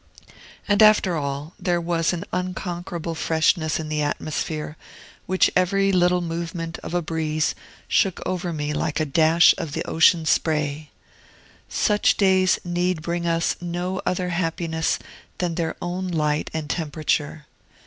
And after all, there was an unconquerable freshness in the atmosphere, which every little movement of a breeze shook over me like a dash of the ocean spray. Such days need bring us no other happiness than their own light and temperature.